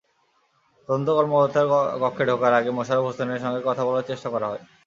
তদন্ত কর্মকর্তার কক্ষে ঢোকার আগে মোশাররফ হোসেনের সঙ্গে কথা বলার চেষ্টা করা হয়।